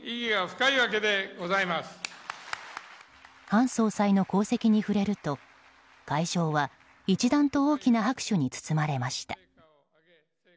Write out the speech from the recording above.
韓総裁の功績に触れると会場は一段と大きな拍手に包まれました。